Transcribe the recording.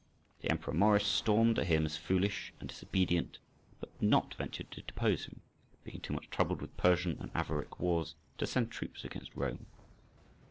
The Emperor Maurice stormed at him as foolish and disobedient, but did not venture to depose him, being too much troubled with Persian and Avaric wars to send troops against Rome.